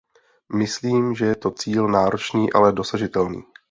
Myslím, že je to cíl náročný, ale dosažitelný.